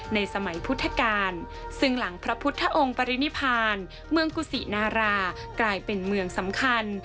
ในสมัยพุทธกาลซึ่งหลังพระพุทธองค์ปรินิพานเมืองกุศินารากลายเป็นเมืองสำคัญ